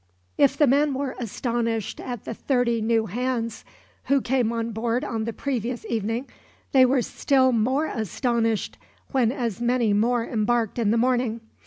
If the men were astonished at the thirty new hands who came on board on the previous evening, they were still more astonished when as many more embarked in the morning.